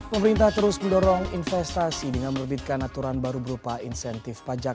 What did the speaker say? pemerintah terus mendorong investasi dengan menerbitkan aturan baru berupa insentif pajak